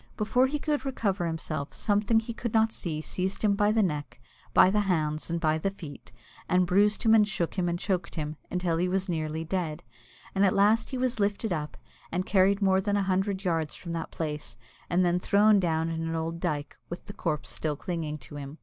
Before he could recover himself, something that he could not see seized him by the neck, by the hands, and by the feet, and bruised him, and shook him, and choked him, until he was nearly dead; and at last he was lifted up, and carried more than a hundred yards from that place, and then thrown down in an old dyke, with the corpse still clinging to him.